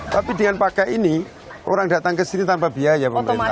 tapi dengan pakai ini orang datang ke sini tanpa biaya pemerintah